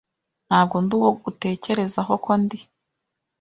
Ntabwo ndi uwo utekereza ko ndi.